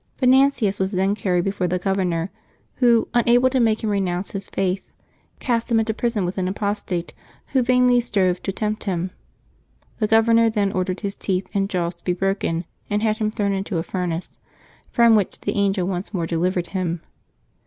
Venantius was then carried before the governor, who, unable to make him renounce his faith, cast him into prison with an apos tate, who vainly strove to tempt him. The governor then ordered his teeth and ' jaws to be broken, and had him thrown into a furnace, from which the angel once more delivered him.